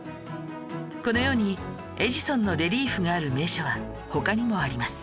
このようにエジソンのレリーフがある名所は他にもあります